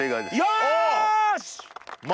よし！